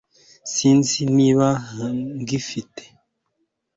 sinzi niba ngifite